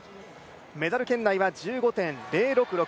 メダル圏内は１５．０６６。